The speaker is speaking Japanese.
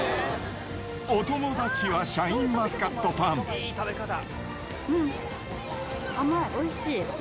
お友達はシャインマスカットうん、甘い、おいしい！